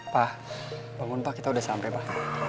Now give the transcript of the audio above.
pak bangun pak kita udah sampai pak